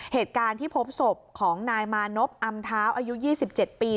เหตุการณ์ที่พบศพของนายมานพอำเท้าอายุ๒๗ปี